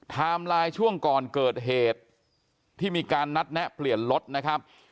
ไลน์ช่วงก่อนเกิดเหตุที่มีการนัดแนะเปลี่ยนรถนะครับ